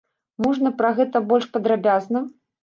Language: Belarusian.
Можна пра гэта больш падрабязна?